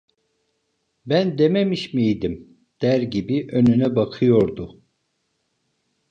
"Ben dememiş miydim?" der gibi önüne bakıyordu.